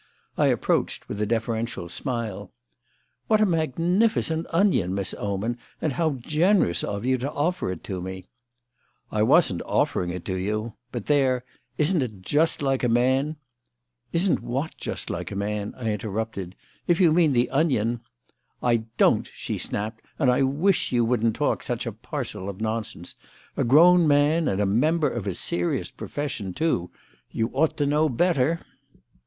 I approached with a deferential smile. "What a magnificent onion, Miss Oman! and how generous of you to offer it to me " "I wasn't offering it to you. But there! Isn't it just like a man " "Isn't what just like a man?" I interrupted. "If you mean the onion " "I don't!" she snapped; "and I wish you wouldn't talk such a parcel of nonsense. A grown man and a member of a serious profession, too! You ought to know better."